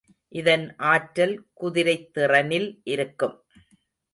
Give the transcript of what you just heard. இதன் ஆற்றல் குதிரைத் திறனில் இருக்கும்.